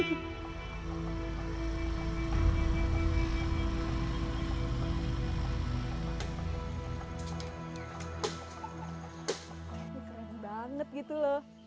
kayaknya keren banget gitu loh